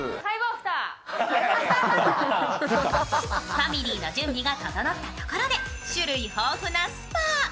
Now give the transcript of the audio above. ファミリーの準備が整ったところで種類豊富なスパ。